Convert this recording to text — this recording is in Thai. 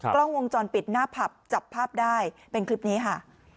กล้องวงจรปิดหน้าผับจับภาพได้เป็นคลิปนี้ค่ะ